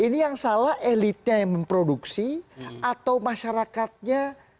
ini yang salah elitnya yang memproduksi atau masyarakatnya